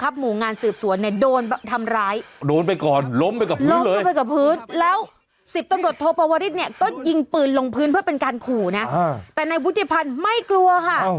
๕๐ปาเคร่าเนี้ยก็ยิงปืนลงพื้นเพื่อการขู่นะแต่ในบุตรพรรณไม่กลัวค่ะ